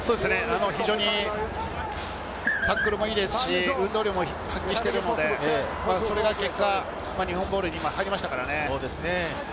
非常にタックルもいいですし、運動量も発揮しているので、その結果、日本ボールに入りましたからね。